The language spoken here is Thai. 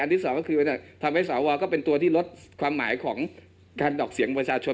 ที่สองก็คือทำให้สวก็เป็นตัวที่ลดความหมายของการดอกเสียงประชาชน